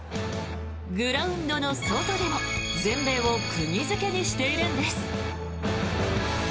グラウンドの外でも全米を釘付けにしているんです。